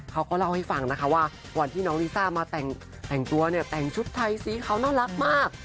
เขาก็เล่าให้ฟังนะคะว่าวันที่น้องลิซ่ามาแต่งตัวเนี่ยแต่งชุดไทยสีขาวน่ารักมาก